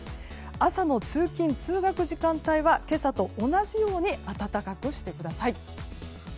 朝の通勤・通学時間帯は今朝と同じように暖かくしてください。